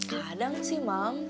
kadang sih mam